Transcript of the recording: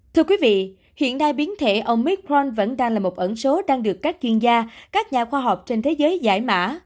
thưa quý vị hiện nay biến thể ông mikpron vẫn đang là một ẩn số đang được các chuyên gia các nhà khoa học trên thế giới giải mã